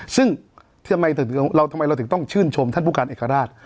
ซึ่งทำไมเราถึงต้องชื่นชมท่านผู้การเอกราช